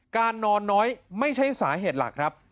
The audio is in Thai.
นอนน้อยไม่ใช่สาเหตุหลักครับ